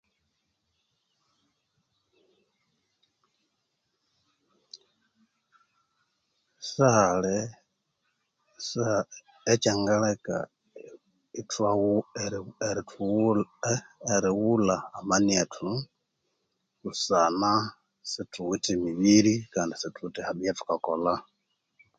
Sihali ekyangaleka ithwaghulha, erithu ee erighulha amani ethu busana sithuwithe emibiri, kandi sithuwithe ebyathukakolha.